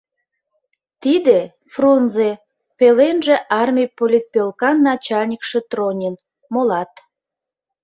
Тиде — Фрунзе, пеленже армий политпӧлкан начальникше Тронин, молат...